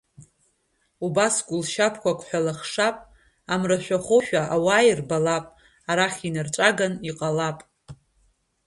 Убас гәылшьапқәак ҳәа лыхшап, Амрашәахәоушәа ауаа ирбалап, Арахь инырҵәаган иҟалап!